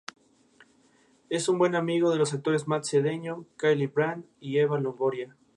Es buen amigo de los actores Matt Cedeño, Kyle Brandt y Eva Longoria.